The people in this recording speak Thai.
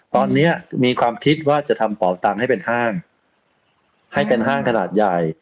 ตอนนี้มีความคิดว่าจะทำเป่าตังค์ให้เป็นห้างให้เป็นห้างขนาดใหญ่